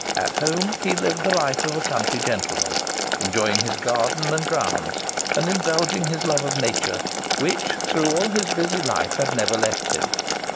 At home he lived the life of a country gentleman, enjoying his garden and grounds, and indulging his love of nature, which, through all his busy life, had never left him.